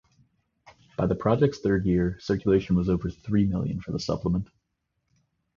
By the project's third year, circulation was over three million for the supplement.